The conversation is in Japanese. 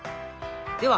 では